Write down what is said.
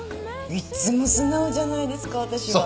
いつも素直じゃないですか私は。